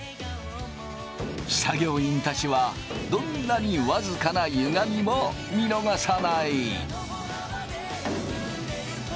作業員たちはどんなに僅かなゆがみも見逃さない。